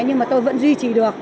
nhưng mà tôi vẫn duy trì được